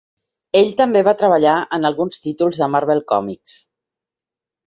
Ell també va treballar en alguns títols de Marvel Comics.